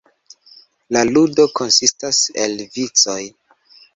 La ludo konsistas el vicoj.